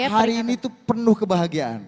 hari ini itu penuh kebahagiaan